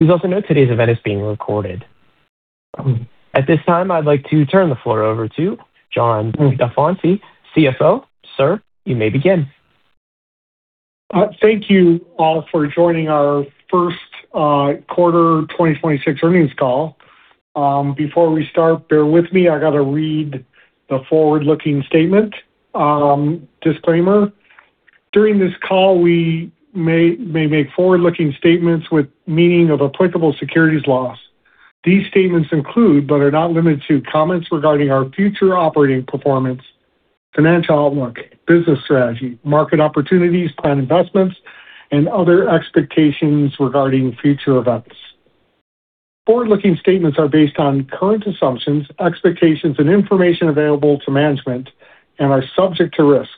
Please also note today's event is being recorded. At this time, I'd like to turn the floor over to John Dalfonsi, CFO. Sir, you may begin. Thank you all for joining our first quarter 2026 earnings call. Before we start, bear with me. I gotta read the forward-looking statement disclaimer. During this call, we may make forward-looking statements within the meaning of applicable securities laws. These statements include, but are not limited to, comments regarding our future operating performance, financial outlook, business strategy, market opportunities, planned investments, and other expectations regarding future events. Forward-looking statements are based on current assumptions, expectations, and information available to management and are subject to risks,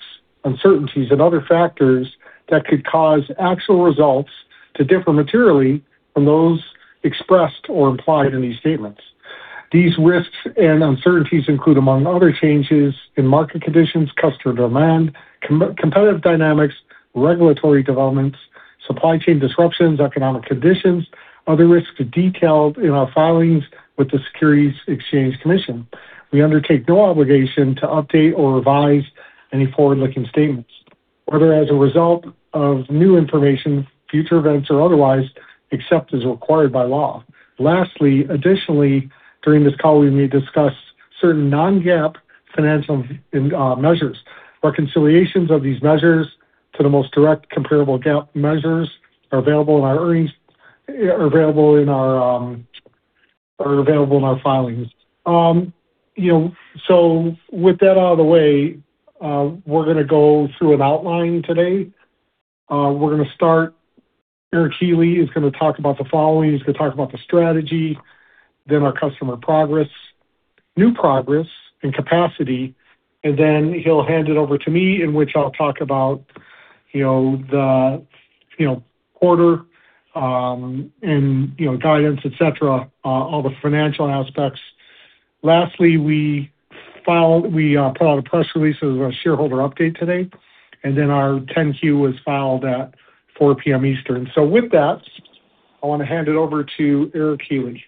uncertainties, and other factors that could cause actual results to differ materially from those expressed or implied in these statements. These risks and uncertainties include, among others, changes in market conditions, customer demand, competitive dynamics, regulatory developments, supply chain disruptions, economic conditions, other risks detailed in our filings with the Securities and Exchange Commission. We undertake no obligation to update or revise any forward-looking statements, whether as a result of new information, future events or otherwise, except as required by law. Lastly, additionally, during this call, we may discuss certain non-GAAP financial measures. Reconciliations of these measures to the most direct comparable GAAP measures are available in our filings. You know, with that out of the way, we're gonna go through an outline today. We're gonna start, Eric Healy is gonna talk about the following. He's gonna talk about the strategy, then our customer progress, new progress and capacity, he'll hand it over to me, in which I'll talk about, you know, the, you know, quarter, and, you know, guidance, et cetera, all the financial aspects. Lastly, we put out a press release. This is our shareholder update today, and then our 10-Q was filed at 4:00 P.M. Eastern. With that, I wanna hand it over to Eric Healy.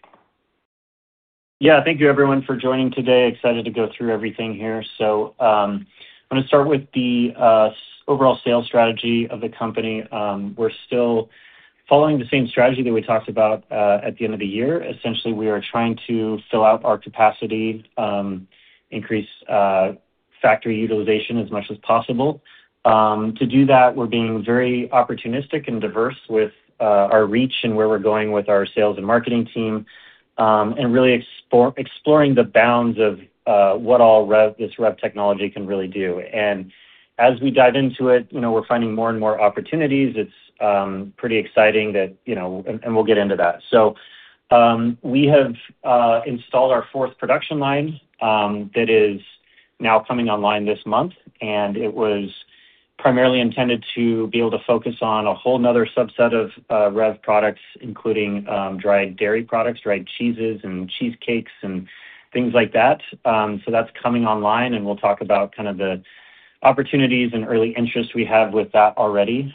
Yeah. Thank you everyone for joining today. Excited to go through everything here. I'm gonna start with the overall sales strategy of the company. We're still following the same strategy that we talked about at the end of the year. Essentially, we are trying to fill out our capacity, increase factory utilization as much as possible. To do that, we're being very opportunistic and diverse with our reach and where we're going with our sales and marketing team, and really exploring the bounds of what all REV, this REV technology can really do. As we dive into it, you know, we're finding more and more opportunities. It's pretty exciting that, you know we'll get into that. We have installed our 4th production line that is now coming online this month, and it was primarily intended to be able to focus on a whole another subset of REV products, including dried dairy products, dried cheeses and cheesecakes and things like that. That's coming online, and we'll talk about kind of the opportunities and early interest we have with that already.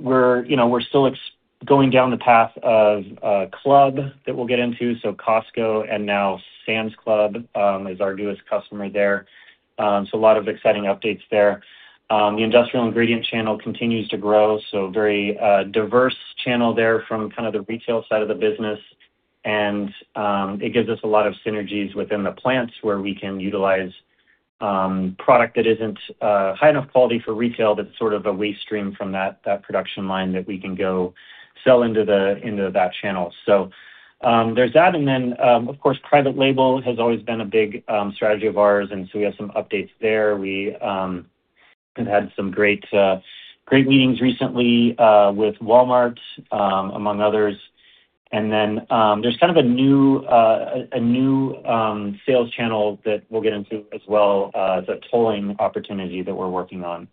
We're, you know, we're still going down the path of club that we'll get into, Costco and now Sam's Club is our newest customer there. A lot of exciting updates there. The industrial ingredient channel continues to grow, so very diverse channel there from kind of the retail side of the business. It gives us a lot of synergies within the plants where we can utilize product that isn't high enough quality for retail, but sort of a waste stream from that production line that we can go sell into the, into that channel. There's that, of course, private label has always been a big strategy of ours, we have some updates there. We have had some great meetings recently with Walmart among others. There's kind of a new sales channel that we'll get into as well, the tolling opportunity that we're working on.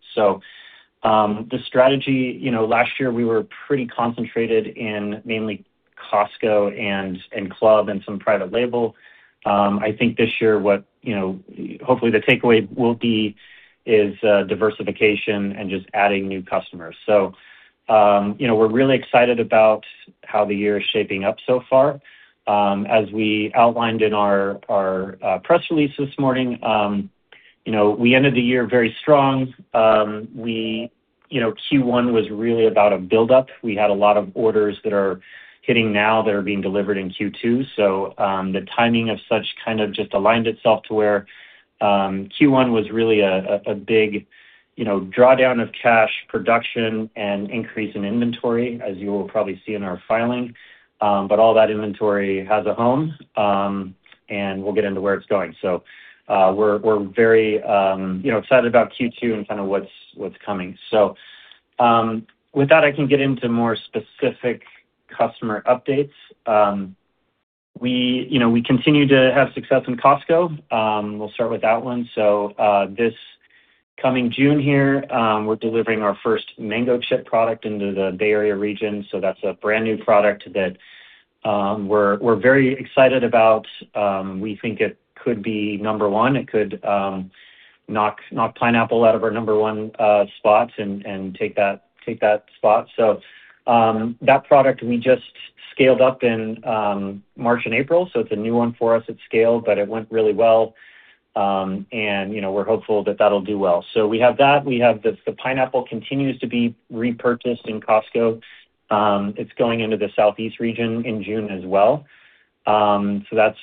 The strategy, you know, last year we were pretty concentrated in mainly Costco and club and some private label. I think this year what, you know, hopefully the takeaway will be is diversification and just adding new customers. You know, we're really excited about how the year is shaping up so far. As we outlined in our press release this morning, you know, we ended the year very strong. We, you know, Q1 was really about a buildup. We had a lot of orders that are hitting now that are being delivered in Q2. The timing of such kind of just aligned itself to where Q1 was really a big, you know, drawdown of cash production and increase in inventory, as you will probably see in our filing. All that inventory has a home, and we'll get into where it's going. We're very, you know, excited about Q2 and kind of what's coming. With that, I can get into more specific customer updates. We, you know, continue to have success in Costco. We'll start with that one. This coming June here, we're delivering our first Mango Chips product into the Bay Area region, so that's a brand-new product that we're very excited about, we think it could be number one. It could knock Pineapple out of our number one spot and take that spot. That product we just scaled up in March and April, so it's a new one for us at scale, but it went really well. You know, we're hopeful that that'll do well. We have that. We have the Pineapple continues to be repurchased in Costco. It's going into the Southeast region in June as well. That's,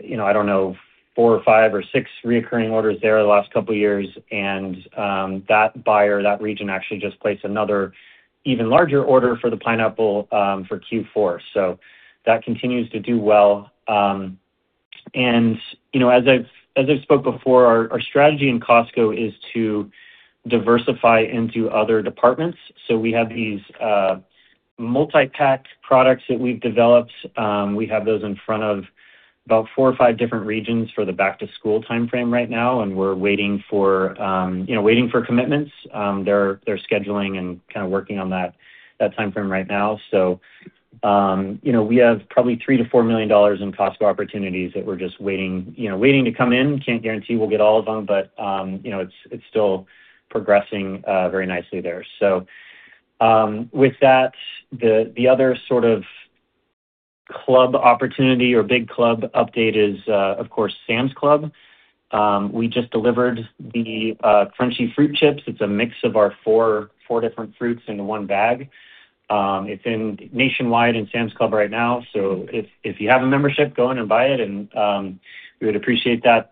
you know, I don't know, four or five or six reoccurring orders there the last couple years. That buyer, that region actually just placed another even larger order for the Pineapple for Q4. That continues to do well. You know, as I've spoke before, our strategy in Costco is to diversify into other departments. We have these multi-pack products that we've developed. We have those in front of about four or five different regions for the back to school timeframe right now, and we're waiting for, you know, waiting for commitments. They're scheduling and kind of working on that timeframe right now. you know, we have probably $3 million-$4 million in Costco opportunities that we're just waiting, you know, waiting to come in. Can't guarantee we'll get all of them, you know, it's still progressing very nicely there. With that, the other sort of club opportunity or big club update is, of course, Sam's Club. We just delivered the Crunchy Fruit Chips. It's a mix of our four different fruits in one bag. It's in nationwide in Sam's Club right now, if you have a membership, go in and buy it and we would appreciate that.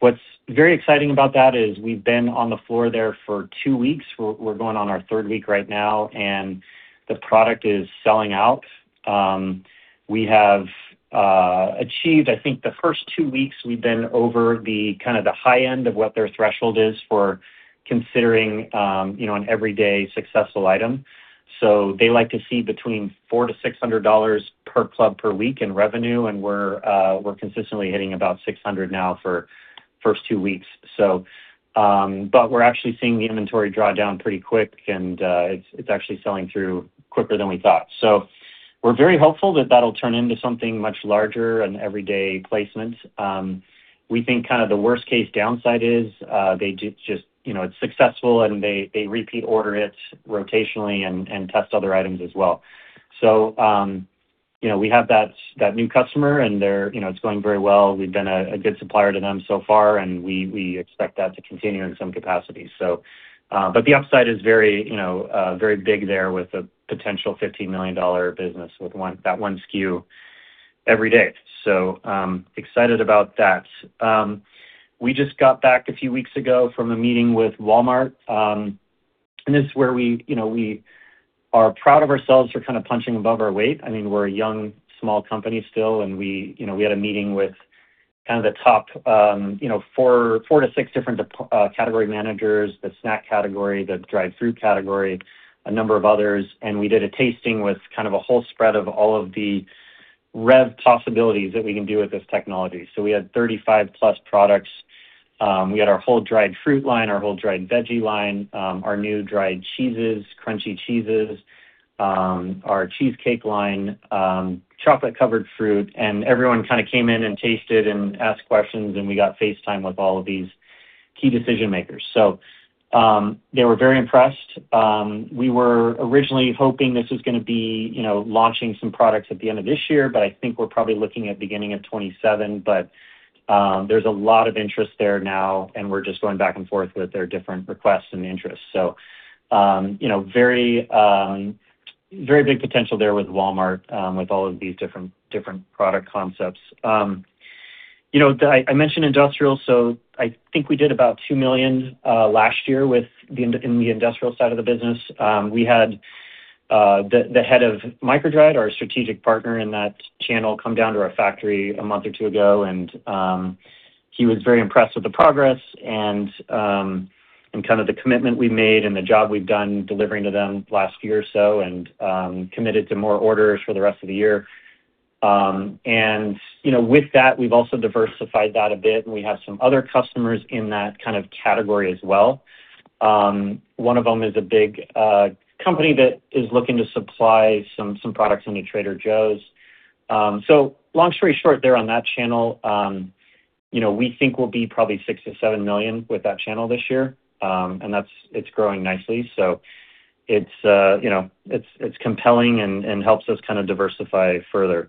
What's very exciting about that is we've been on the floor there for two weeks. We're going on our third week right now, and the product is selling out. We have achieved, I think the first two weeks we've been over the kind of the high end of what their threshold is for considering, you know, an everyday successful item. They like to see between $400-$600 per club per week in revenue. We're consistently hitting about $600 now for first two weeks. We're actually seeing the inventory draw down pretty quick and it's actually selling through quicker than we thought. We're very hopeful that that'll turn into something much larger, an everyday placement. We think kind of the worst case downside is, you know, it's successful and they repeat order it rotationally and test other items as well. You know, we have that new customer and they're, you know, it's going very well. We've been a good supplier to them so far, and we expect that to continue in some capacity. The upside is very, you know, very big there with a potential $15 million business with that one SKU every day. Excited about that. We just got back a few weeks ago from a meeting with Walmart. This is where we, you know, we are proud of ourselves for kind of punching above our weight. I mean, we're a young, small company still, we, you know, we had a meeting with kind of the top, you know, four to six different category managers, the snack category, the dried fruit category, a number of others. We did a tasting with kind of a whole spread of all of the REV possibilities that we can do with this technology. We had 35+ products. We had our whole dried fruit line, our whole dried veggie line, our new dried cheeses, crunchy cheeses, our cheesecake line, chocolate covered fruit, and everyone kind of came in and tasted and asked questions, and we got face time with all of these key decision makers. They were very impressed. We were originally hoping this was gonna be, you know, launching some products at the end of this year, but I think we're probably looking at beginning of 2027. There's a lot of interest there now, and we're just going back and forth with their different requests and interests. You know, very, very big potential there with Walmart, with all of these different product concepts. You know, I mentioned industrial, I think we did about $2 million last year in the industrial side of the business. We had the head of MicroDried, our strategic partner in that channel, come down to our factory a month or two ago, he was very impressed with the progress and kind of the commitment we've made and the job we've done delivering to them last year or so, committed to more orders for the rest of the year. You know, with that, we've also diversified that a bit, we have some other customers in that kind of category as well. One of them is a big company that is looking to supply some products into Trader Joe's. Long story short there on that channel, you know, we think we'll be probably $6 million-$7 million with that channel this year. It's growing nicely. It's, you know, it's compelling and helps us kind of diversify further.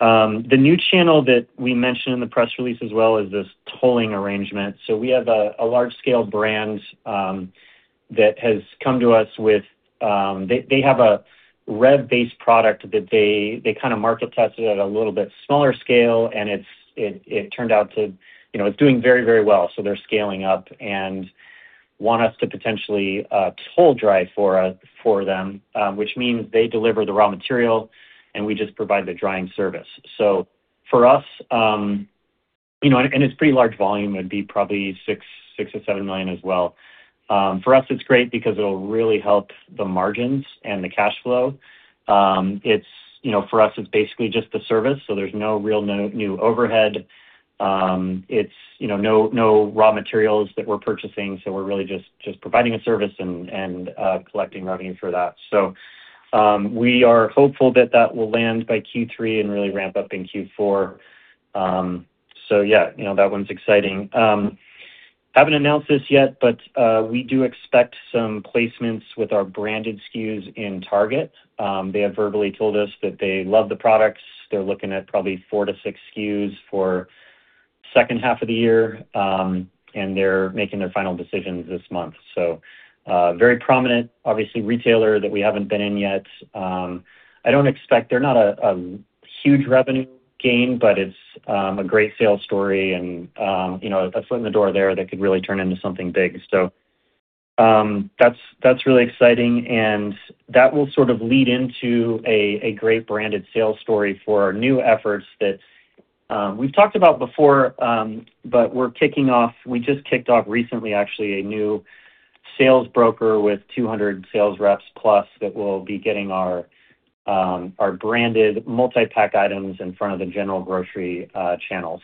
The new channel that we mentioned in the press release as well is this tolling arrangement. We have a large scale brand that has come to us with. They have a REV-based product that they kind of market tested at a little bit smaller scale, and it turned out to, you know, it's doing very, very well, so they're scaling up and want us to potentially toll dry for them, which means they deliver the raw material, and we just provide the drying service. For us, you know, and it's pretty large volume. It'd be probably $6 million-$7 million as well. For us, it's great because it'll really help the margins and the cash flow. It's, you know, for us it's basically just the service, there's no real new overhead. It's, you know, no raw materials that we're purchasing, we're really just providing a service and collecting revenue for that. We are hopeful that that will land by Q3 and really ramp up in Q4. Yeah, you know, that one's exciting. Haven't announced this yet, we do expect some placements with our branded SKUs in Target. They have verbally told us that they love the products. They're looking at probably four to six SKUs for second half of the year, they're making their final decisions this month. Very prominent, obviously, retailer that we haven't been in yet. I don't expect They're not a huge revenue gain, but it's a great sales story and, you know, a foot in the door there that could really turn into something big. That's, that's really exciting, and that will sort of lead into a great branded sales story for our new efforts that we've talked about before, but We just kicked off recently actually a new sales broker with 200 sales reps plus that will be getting our branded multi-pack items in front of the general grocery channels.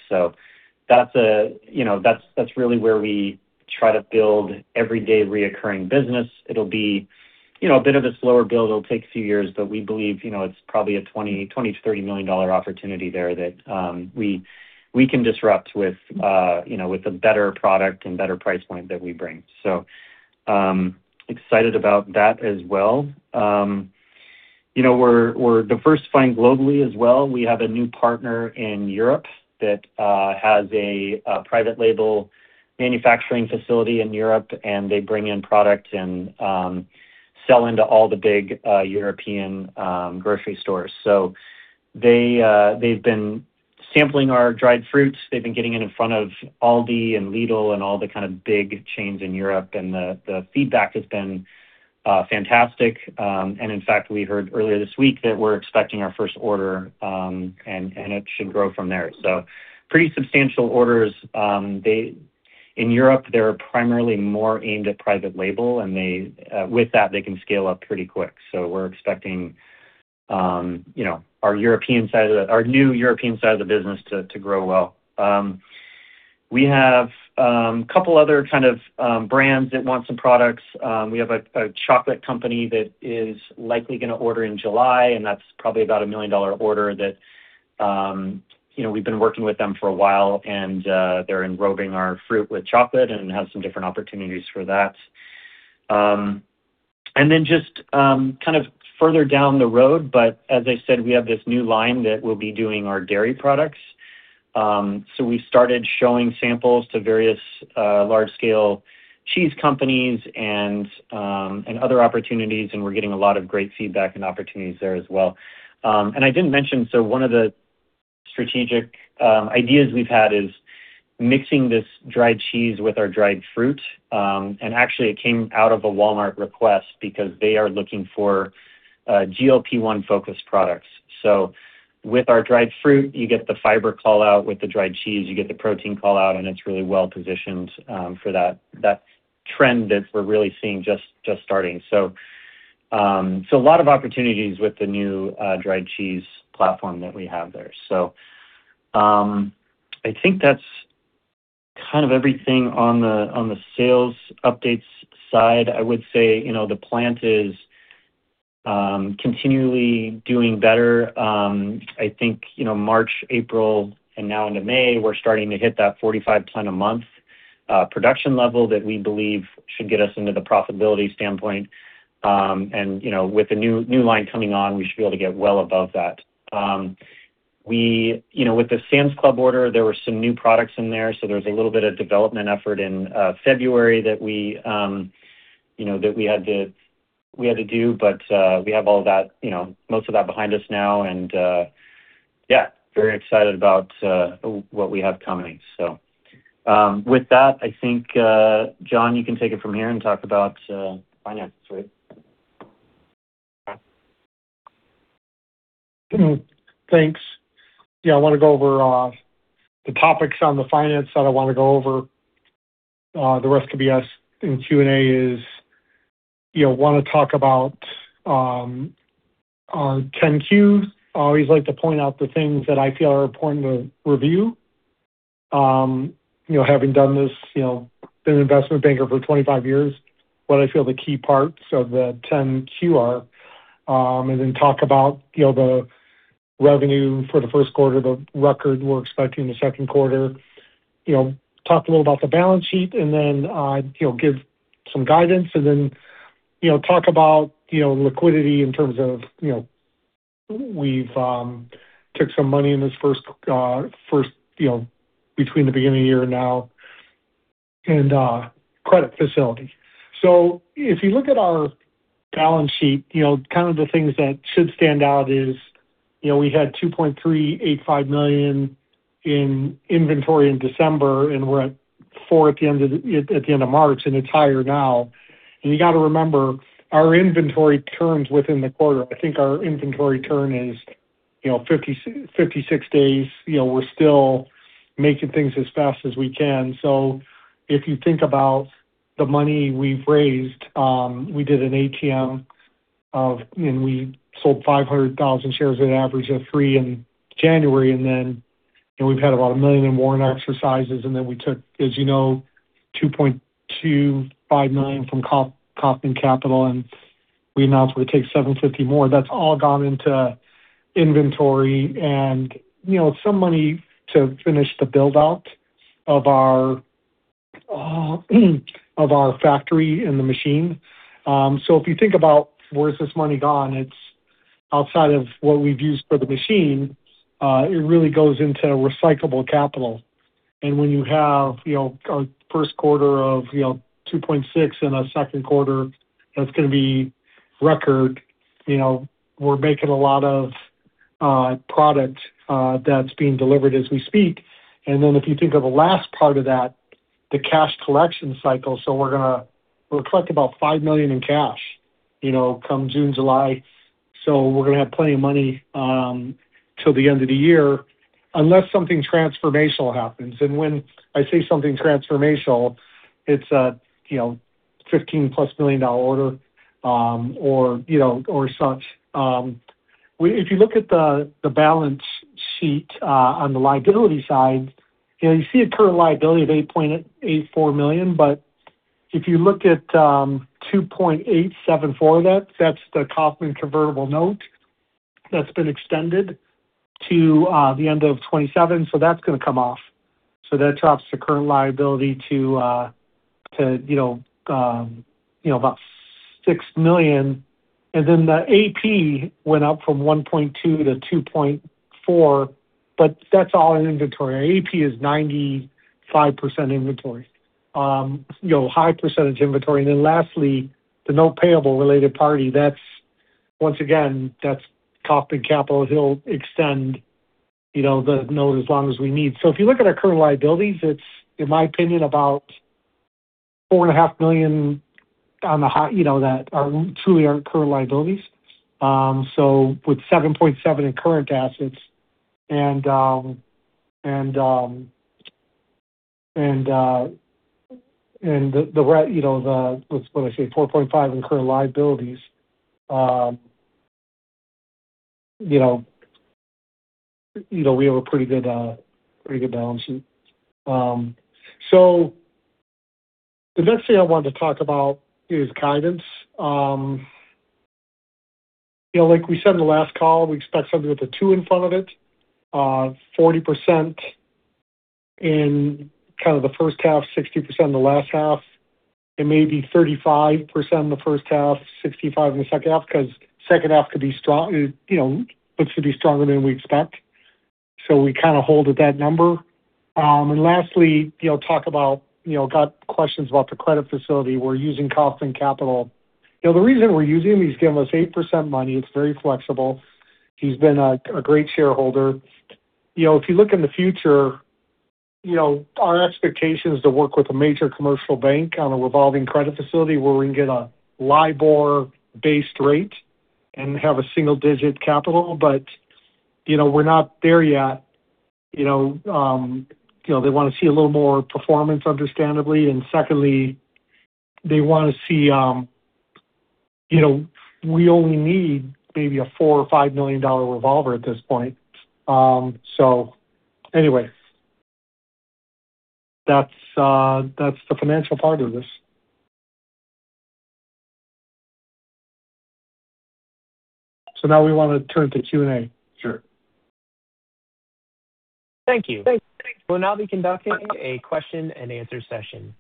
That's, you know, that's really where we try to build everyday reoccurring business. It'll be, you know, a bit of a slower build. It'll take a few years, but we believe, you know, it's probably a $20 million-$30 million opportunity there that we can disrupt with, you know, with a better product and better price point that we bring. Excited about that as well. You know, we're diversifying globally as well. We have a new partner in Europe that has a private label manufacturing facility in Europe, and they bring in product and sell into all the big European grocery stores. They've been sampling our dried fruits. They've been getting it in front of Aldi and Lidl and all the kind of big chains in Europe, and the feedback has been fantastic. In fact, we heard earlier this week that we're expecting our first order, and it should grow from there. Pretty substantial orders. In Europe, they're primarily more aimed at private label, and they, with that, they can scale up pretty quick. We're expecting, you know, our new European side of the business to grow well. We have couple other kind of brands that want some products. We have a chocolate company that is likely gonna order in July, and that's probably about a $1 million order that, you know, we've been working with them for a while, and they're enrobing our fruit with chocolate and have some different opportunities for that. Then just, kind of further down the road, but as I said, we have this new line that will be doing our dairy products. We started showing samples to various, large-scale cheese companies and other opportunities, and we're getting a lot of great feedback and opportunities there as well. I didn't mention, so one of the strategic ideas we've had is mixing this dried cheese with our dried fruit. Actually it came out of a Walmart request because they are looking for, GLP-1 focused products. With our dried fruit, you get the fiber call-out. With the dried cheese, you get the protein call-out, and it's really well-positioned, for that trend that we're really seeing just starting. A lot of opportunities with the new dried cheese platform that we have there. I think that's kind of everything on the sales updates side. I would say the plant is continually doing better. I think March, April, and now into May, we're starting to hit that 45 ton a month production level that we believe should get us into the profitability standpoint. With the new line coming on, we should be able to get well above that. We, with the Sam's Club order, there were some new products in there, so there was a little bit of development effort in February that we had to do. We have all that, you know, most of that behind us now and, yeah, very excited about what we have coming. With that, I think, John, you can take it from here and talk about finances, right? Thanks. Yeah, I wanna go over the topics on the finance side I wanna go over. The rest can be asked in Q&A is, you know, wanna talk about our 10-Q. I always like to point out the things that I feel are important to review, you know, having done this, you know, been an investment banker for 25 years, what I feel the key parts of the 10-Q are. Then talk about, you know, the revenue for the first quarter, the record we're expecting the second quarter. You know, talk a little about the balance sheet and then, you know, give some guidance and then, you know, talk about, you know, liquidity in terms of, you know, we've took some money in this first, you know, between the beginning of the year now and credit facility. If you look at our balance sheet, you know, kind of the things that should stand out is, you know, we had $2.385 million in inventory in December, and we're at $4 million at the end of the, at the end of March, and it's higher now. You got to remember, our inventory turns within the quarter. I think our inventory turn is, you know, 56 days. You know, we're still making things as fast as we can. If you think about the money we've raised, we did an ATM, and we sold 500,000 shares at an average of $3 in January. Then, you know, we've had about $1 million in warrant exercises, and then we took, as you know, $2.25 million from Kaufman Capital Partners, and we announced we're going to take $750,000 more. That's all gone into inventory and, you know, some money to finish the build-out of our factory and the machine. If you think about where has this money gone, it's outside of what we've used for the machine. It really goes into recyclable capital. When you have, you know, a first quarter of, you know, 2.6 and a second quarter that's gonna be record, you know, we're making a lot of product that's being delivered as we speak. If you think of the last part of that, the cash collection cycle. We'll collect about $5 million in cash, you know, come June, July. We're gonna have plenty of money till the end of the year, unless something transformational happens. When I say something transformational, it's a, you know, $15-plus million dollar order, or, you know, or such. If you look at the balance sheet on the liability side, you know, you see a current liability of $8.84 million, but if you look at $2.874 million of that's the Kaufman convertible note that's been extended to the end of 2027. That's gonna come off. That drops the current liability to, you know, about $6 million. The AP went up from $1.2 million-$2.4 million, but that's all in inventory. Our AP is 95% inventory. You know, high percentage inventory. Lastly, the note payable related party, that's once again, that's Kaufman Capital. He'll extend the note as long as we need. If you look at our current liabilities, it's in my opinion about $4.5 million on the high that are truly our current liabilities. With $7.7 in current assets and $4.5 in current liabilities, we have a pretty good balance sheet. The next thing I wanted to talk about is guidance. Like we said in the last call, we expect something with a two in front of it. 40% in kind of the first half, 60% in the last half. It may be 35% in the first half, 65% in the second half, 'cause second half could be strong, you know, looks to be stronger than we expect. We kinda hold at that number. Lastly, you know, talk about, you know, got questions about the credit facility. We're using Kaufman Capital. You know, the reason we're using him, he's giving us 8% money. It's very flexible. He's been a great shareholder. You know, if you look in the future, you know, our expectation is to work with a major commercial bank on a revolving credit facility where we can get a LIBOR-based rate and have a single-digit capital. You know, we're not there yet. You know, they wanna see a little more performance, understandably. Secondly, they wanna see, You know, we only need maybe a $4 million or $5 million revolver at this point. Anyway, that's the financial part of this. Now we wanna turn to Q&A. Sure. Thank you. We'll now be conducting a question and answer session.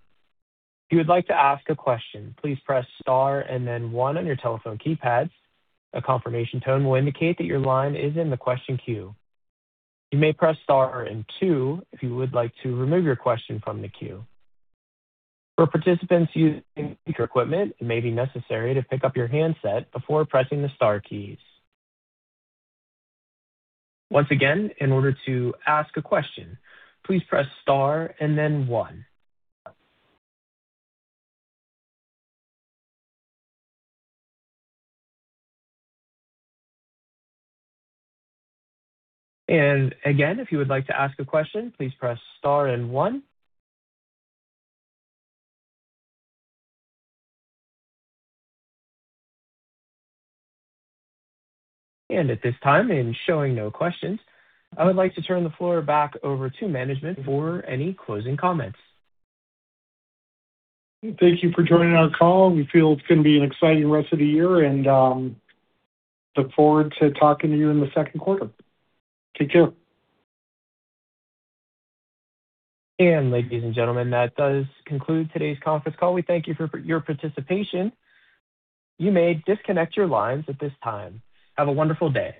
If you would like to ask a question, please press star and then one on your telephone keypads. A confirmation tone will indicate that your line is in the question queue. You may press star and two if you would like to remove your question from the queue. For participants using speaker equipment, it may be necessary to pick up your handset before pressing the star keys. Once again, in order to ask a question, please press star and then one. And again, if you would like to ask a question, please press star and one. And at this time, in showing no questions, I would like to turn the floor back over to management for any closing comments. Thank you for joining our call. We feel it's gonna be an exciting rest of the year, and look forward to talking to you in the second quarter. Take care. Ladies and gentlemen, that does conclude today's conference call. We thank you for your participation. You may disconnect your lines at this time. Have a wonderful day.